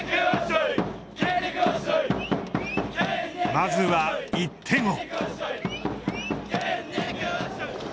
まずは１点を。